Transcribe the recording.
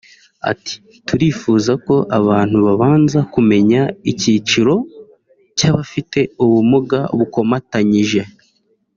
Ati″Turifuza ko abantu babanza kumenya icyiciro cy’abafite ubumuga bukomatanyije